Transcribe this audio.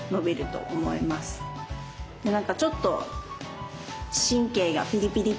何かちょっと神経がピリピリ